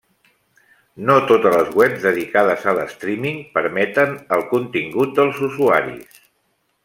No totes les webs dedicades a l'streaming permeten el contingut dels usuaris.